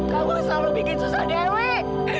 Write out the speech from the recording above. kamu selalu bikin susah dewek